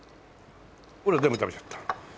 ほら全部食べちゃった。